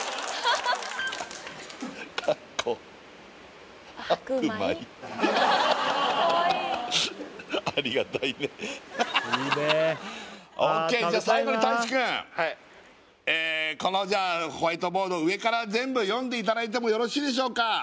ハハハハハハハハＯＫじゃあ最後に泰知くんこのじゃあホワイトボード上から全部読んでいただいてもよろしいでしょうか？